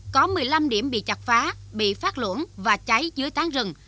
có một mươi năm điểm bị chặt phá bị phát luộn và cháy dưới tán rừng